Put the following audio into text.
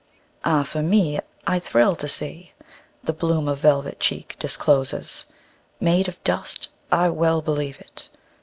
Ah, for me, I thrill to seeThe bloom a velvet cheek discloses, Made of dust—I well believe it!